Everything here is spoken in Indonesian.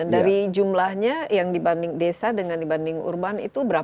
dari jumlahnya yang dibanding desa dengan dibanding urban itu berapa